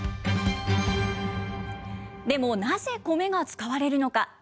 でも、なぜコメが使われるのか。